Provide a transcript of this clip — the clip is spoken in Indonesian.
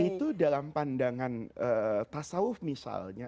itu dalam pandangan tasawuf misalnya